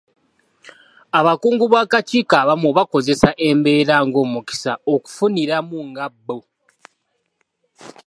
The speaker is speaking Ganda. Abakungu b'akakiiko abamu bakozesa embeera ng'omukisa okufuniramu nga bo.